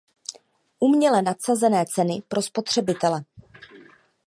Uměle nadsazené ceny pro spotřebitele.